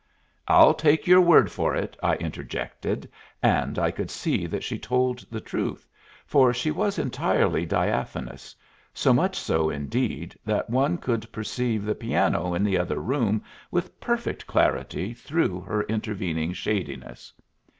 "I'll take your word for it," I interjected, and I could see that she told the truth, for she was entirely diaphanous, so much so indeed that one could perceive the piano in the other room with perfect clarity through her intervening shadiness.